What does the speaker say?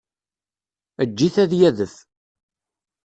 Eǧǧ-it ad d-yadef.